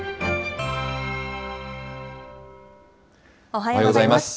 おはようございます。